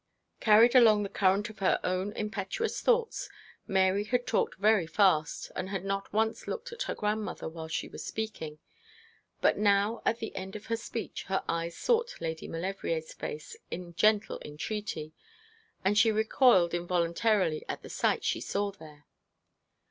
Carried along the current of her own impetuous thoughts, Mary had talked very fast, and had not once looked at her grandmother while she was speaking. But now at the end of her speech her eyes sought Lady Maulevrier's face in gentle entreaty, and she recoiled involuntarily at the sight she saw there.